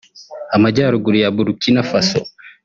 Amajyaruguru ya Burkina Faso